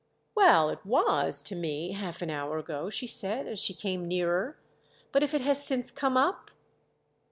"Well, it was, to me, half an hour ago," she said as she came nearer. "But if it has since come up?"